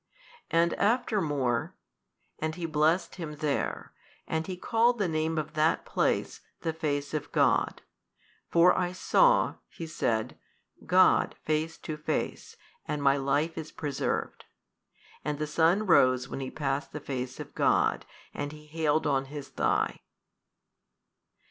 And after more, And He blessed him there: and he called the name of that place, The Face of God: for I saw (he said) God face to face and my life is preserved. And the sun rose when he passed the face of God: and he hailed on his thigh.